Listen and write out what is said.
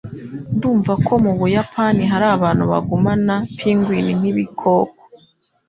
Ndumva ko mubuyapani hari abantu bagumana pingwin nkibikoko.